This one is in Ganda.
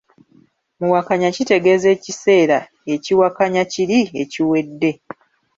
Muwakanya kitegeeza ekiseera ekiwakanya kiri ekiwedde.